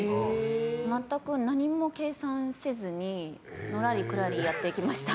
まったく何も計算せずにのらりくらりやってきました。